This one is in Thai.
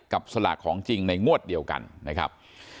สลากของจริงในงวดเดียวกันนะครับ